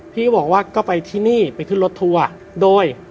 พี่ก็บอกว่าก็ไปที่นี่ไปขึ้นรถทัวร์โดย